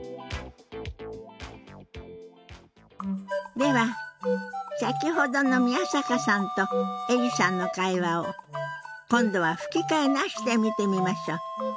では先ほどの宮坂さんとエリさんの会話を今度は吹き替えなしで見てみましょう。